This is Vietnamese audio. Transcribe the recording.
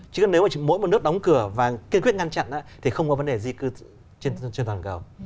chứ nếu mỗi một nước đóng cửa và kiên quyết ngăn chặn thì không có vấn đề di cư trên toàn cầu